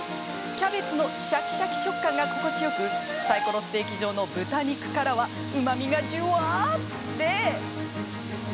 キャベツのシャキシャキ食感が心地よくサイコロステーキ状の豚肉からはうまみが、じゅわで。